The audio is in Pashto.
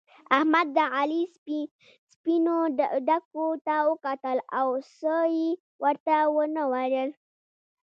احمد د علي سپينو ډکو ته وکتل او څه يې ورته و نه ويل.